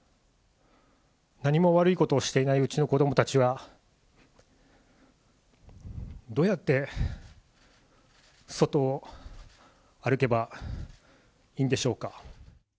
何も悪いことをしていないうちの子どもたちは、どうやって外を歩けばいいんでしょうか。